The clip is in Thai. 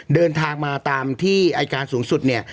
เดินทางมาตามที่อายการสูงสุดเนี่ย